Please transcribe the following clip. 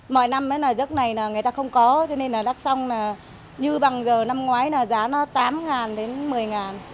mọi năm giấc này người ta không có cho nên là đắc sông như bằng giờ năm ngoái giá nó tám ngàn đến một mươi ngàn